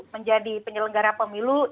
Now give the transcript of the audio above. menjadi penyelenggara pemilu